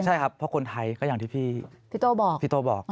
ใช่ครับเพราะคนไทยก็อย่างที่พี่โตบอก